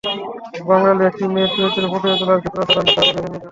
বাঙালি একটি মেয়ের চরিত্র ফুটিয়ে তোলার ক্ষেত্রে অসাধারণ দক্ষতা দেখিয়েছেন নির্ঝুম।